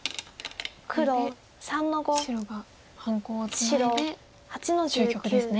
これで白が半コウをツナいで終局ですね。